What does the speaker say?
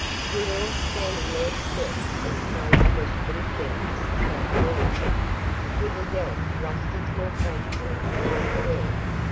We were all standing there still as Craig questioned Jennings about the armor. With a yelp Rusty tore frantically into the room.